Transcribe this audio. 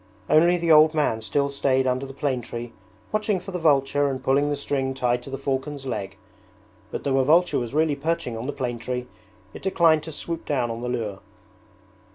Only the old man still stayed under the plane tree watching for the vulture and pulling the string tied to the falcon's leg, but though a vulture was really perching on the plane tree it declined to swoop down on the lure.